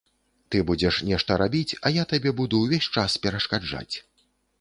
Ты будзеш нешта рабіць, а я табе буду ўвесь час перашкаджаць.